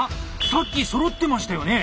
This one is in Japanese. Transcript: さっきそろってましたよね？